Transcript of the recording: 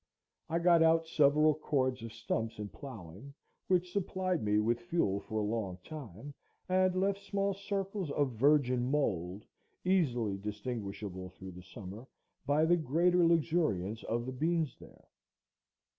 I got out several cords of stumps in ploughing, which supplied me with fuel for a long time, and left small circles of virgin mould, easily distinguishable through the summer by the greater luxuriance of the beans there.